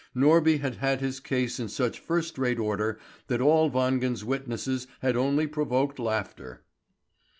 Norby had had his case in such first rate order that all Wangen's witnesses had only provoked laughter.